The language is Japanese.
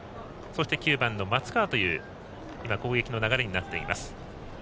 そして９番の松川という攻撃の流れになっています。